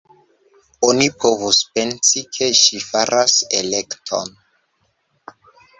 Oni povus pensi, ke ŝi faras elekton.